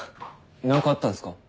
何かあったんすか？